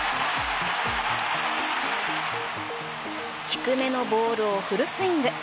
低めのボールをフルスイング。